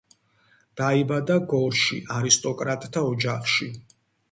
დაიბადა გორში, არისტოკრატთა ოჯახში.